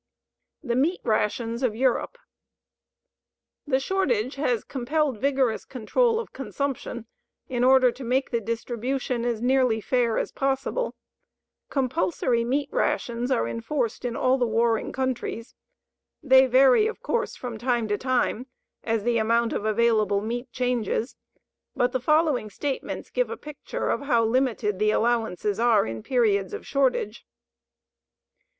THE MEAT RATIONS OF EUROPE The shortage has compelled vigorous control of consumption in order to make the distribution as nearly fair as possible. Compulsory meat rations are enforced in all the warring countries. They vary, of course, from time to time as the amount of available meat changes, but the following statements give a picture of how limited the allowances are in periods of shortage.